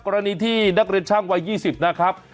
กรณีที่นักเรียนช่างวัย๒๐นะครับ